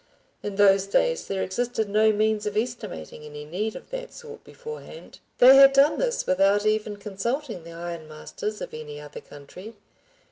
(In those days there existed no means of estimating any need of that sort beforehand.) They had done this without even consulting the ironmasters of any other country.